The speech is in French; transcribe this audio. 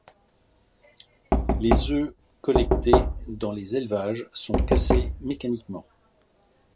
Les œufs collectés dans les élevages sont cassés mécaniquement.